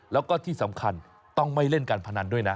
แล้วก็ที่สำคัญต้องไม่เล่นการพนันด้วยนะ